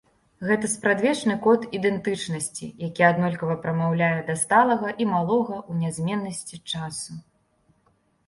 Гэта спрадвечны код ідэнтычнасці, які аднолькава прамаўляе да сталага і малога ў нязменнасці часу.